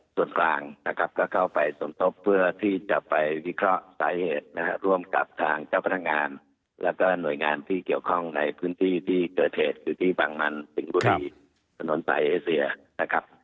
ส่วนกลางนะครับก็เข้าไปสมทบเพื่อที่จะไปวิเคราะห์สาเหตุนะครับร่วมกับทางเจ้าพนักงานแล้วก็หน่วยงานที่เกี่ยวข้องในพื้นที่ที่เกิดเหตุอยู่ที่บางมันสิงห์บุรีถนนสายเอเซียนะครับ